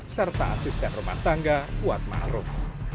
serta asisten rumah tangga wat mahruf